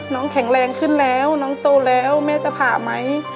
แข็งแรงขึ้นแล้วน้องโตแล้วแม่จะผ่าไหม